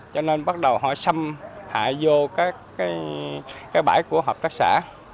cho nên bắt đầu họ xâm hại vô các cái bãi của hợp tác xã